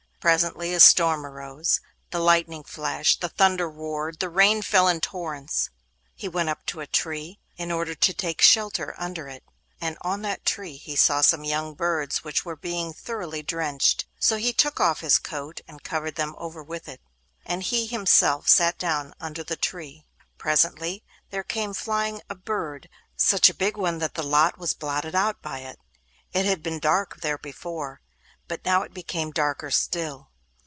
Presently a storm arose; the lightning flashed, the thunder roared, the rain fell in torrents. He went up to a tree in order to take shelter under it, and on that tree he saw some young birds which were being thoroughly drenched. So he took off his coat and covered them over with it, and he himself sat down under the tree. Presently there came flying a bird—such a big one that the light was blotted out by it. It had been dark there before, but now it became darker still.